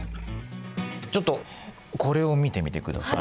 ちょっとこれを見てみてください。